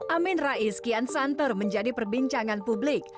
amin rais kian santer menjadi perbincangan publik